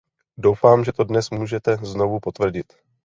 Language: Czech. Doufám, že to dnes můžete znovu potvrdit.